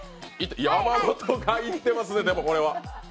山本がいってますね、これは。